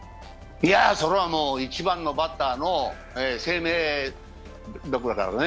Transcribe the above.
それは一番のバッターの生命どころだろうね。